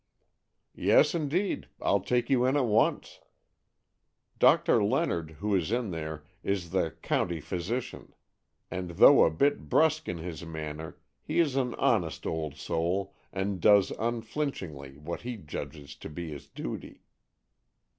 "Yes, indeed; I'll take you in at once. Doctor Leonard, who is in there, is the county physician, and, though a bit brusque in his manner, he is an honest old soul, and does unflinchingly what he judges to be his duty."